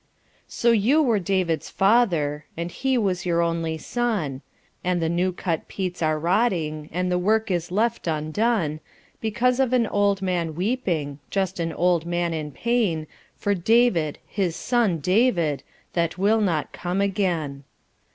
lO you were David's father, And he was your only son, And the new cut peats are rotting And the work is left undone. Because of an old man weeping, Just an old man in pain. For David, his son David, That will not come again.